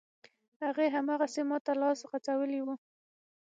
هغې، هماغسې ماته لاس غځولی و.